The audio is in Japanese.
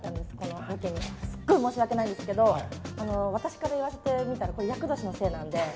すごい申し訳ないんですけど私から言わせてみたら厄年のせいなので。